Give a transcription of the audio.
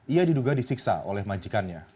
ia diduga disiksa oleh majikannya